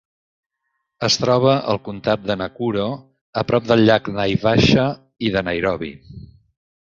Es troba al comtat de Nakuro, a prop del llac Naivasha i de Nairobi.